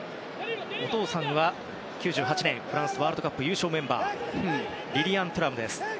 お父さんは１９９８年フランスワールドカップの優勝メンバーリリアン・テュラムです。